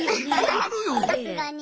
さすがに。